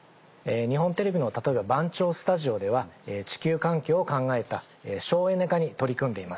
日本テレビの例えば番町スタジオでは地球環境を考えた省エネ化に取り組んでいます。